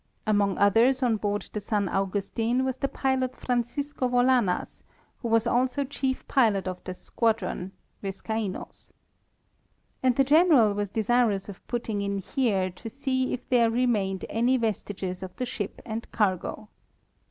Among others on board the San Augustin was the pilot Francisco Volanas, who was also chief pilot of this squadron (Viscaino's). ... And the general was desirous of putting in here to see if there remained any vestiges of the ship and cargo.